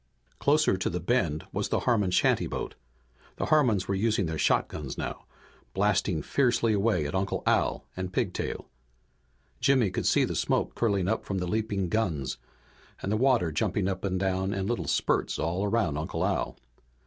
Closer to the bend was the Harmon shantyboat. The Harmons were using their shotguns now, blasting fiercely away at Uncle Al and Pigtail. Jimmy could see the smoke curling up from the leaping guns and the water jumping up and down in little spurts all about Uncle Al.